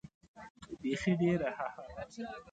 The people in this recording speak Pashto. بېخي ډېر هههه.